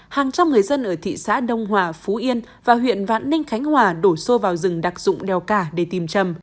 hàng trăm người dân ở thị xã đông hòa phú yên và huyện vạn ninh khánh hòa đổ xô vào rừng đặc dụng đèo cả để tìm trầm